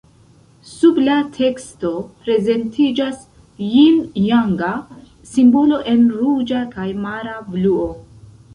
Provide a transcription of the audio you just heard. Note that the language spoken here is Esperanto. Sub la teksto prezentiĝas jin-janga simbolo en ruĝa kaj mara bluo.